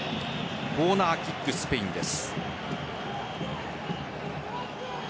コーナーキックスペインです。